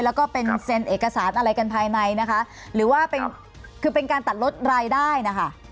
แล้วก็เป็นเซ็นเอกสารอะไรกันภายในนะคะหรือว่าเป็นคือเป็นการตัดลดรายได้นะคะ